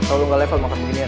atau lo gak level makan beginian